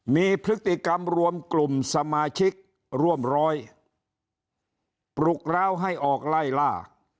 มีพฤติกรรมรวมกลุ่มสมาชิกร่วมร้อยปลุกร้าวให้ออกไล่ล่า